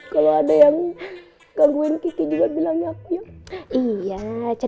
kalau ada yang gangguin gigi juga bilang ya